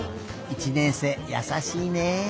１年生やさしいね。